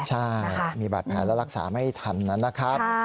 ใช่มีบาดแผลแล้วรักษาไม่ทันนะครับ